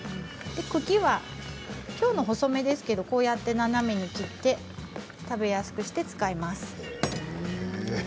茎はきょうのは細めですけれども斜めに切って食べやすくして使います。